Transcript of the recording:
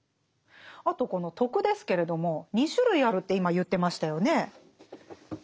あとこの「徳」ですけれども２種類あるって今言ってましたよね。